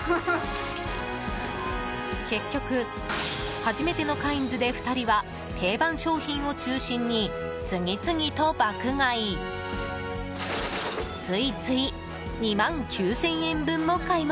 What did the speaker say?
結局、初めてのカインズで２人は定番商品を中心に次々と爆買い！